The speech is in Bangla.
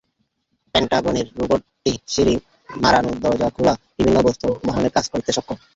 পেন্টাগনের রোবটটি সিঁড়ি মাড়ানো, দরজা খোলা, বিভিন্ন বস্তু বহনের কাজ করতে সক্ষম।